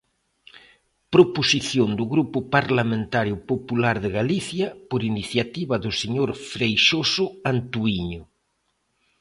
Proposición do Grupo Parlamentario Popular de Galicia, por iniciativa do señor Freixoso Antoíño.